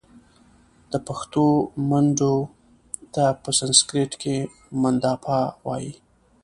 د پښتو منډو Mandaw ته په سنسیکرت کښې Mandapa وايي